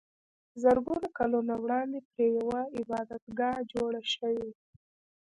زرګونه کلونه وړاندې پرې یوه عبادتګاه جوړه شوې وه.